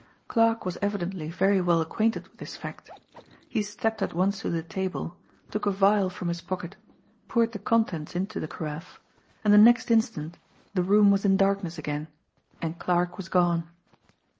Clarke was evidently very well acquainted with this fact. He stepped at once to the table, took a vial from his pocket, poured the contents into the carafe and the next instant the room was in darkness again, and Clarke was gone.